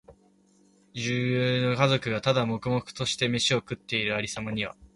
十幾人の家族が、ただ黙々としてめしを食っている有様には、